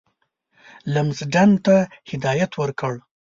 لمسډن ته هدایت ورکړ.